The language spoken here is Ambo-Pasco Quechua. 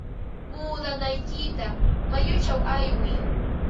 Muudanaykita mayuchaw aywiy.